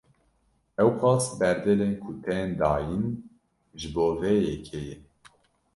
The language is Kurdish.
Ewqas berdêlên ku tên dayin, ji bo vê yekê ye